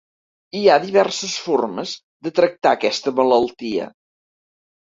Hi ha diverses formes de tractar aquesta malaltia.